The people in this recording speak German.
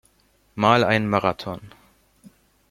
Mal einen Marathon.